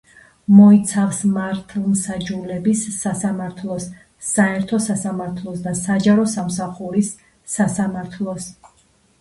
მოიცავს მართლმსაჯულების სასამართლოს, საერთო სასამართლოს და საჯარო სამსახურის სასამართლოს.